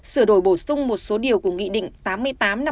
sửa đổi bổ sung một số điều của nghị định tám mươi tám năm hai nghìn một mươi